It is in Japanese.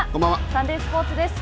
サンデースポーツです。